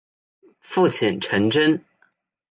父亲陈贞。